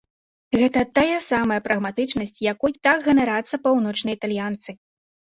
Гэта тая самая прагматычнасць, якой так ганарацца паўночныя італьянцы.